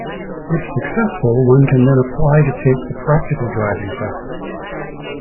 If successful, one can then apply to take the practical driving test.